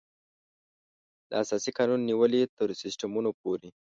له اساسي قانون نېولې تر سیسټمونو پورې.